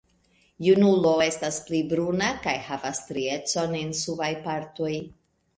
Junulo estas pli bruna kaj havas striecon en subaj partoj.